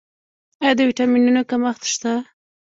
آیا د ویټامینونو کمښت شته؟